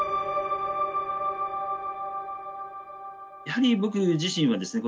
やはり僕自身はですね